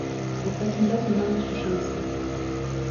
"„Bo w takim razie mam jeszcze szanse“."